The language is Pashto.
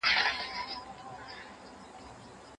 هغه عرضه چې مستقيمه وي ژر خرڅيږي.